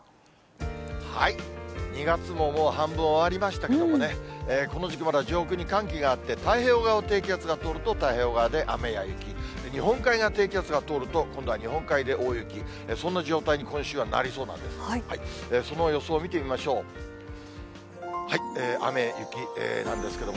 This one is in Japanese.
２月ももう半分終わりましたけれどもね、この時期、まだ上空に寒気があって、太平洋側を低気圧が通ると、太平洋側で雨や雪、日本海側を低気圧が通ると、今度は日本海で大雪、そんな状態に今週はなりそうなんです。